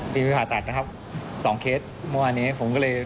มีผ่าตัดนะครับ๒เคส